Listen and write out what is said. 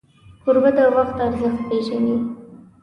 کوربه د وخت ارزښت پیژني.